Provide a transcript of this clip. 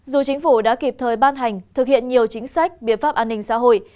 dù chính phủ đã kịp thời ban hành thực hiện nhiều chính sách biện pháp an ninh xã hội